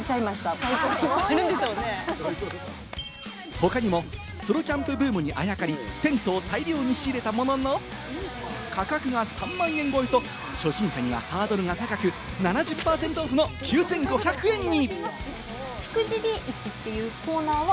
他にも、ソロキャンプブームにあやかり、テントを大量に仕入れたものの、価格が３万円超えと初心者にはハードルが高く、７０％オフの９５００円に。